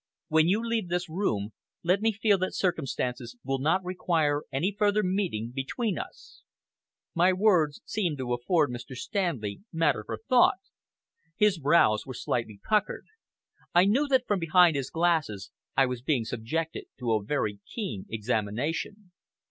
When you leave this room, let me feel that circumstances will not require any further meeting between us." My words seemed to afford Mr. Stanley matter for thought. His brows were slightly puckered. I knew that from behind his glasses I was being subjected to a very keen examination.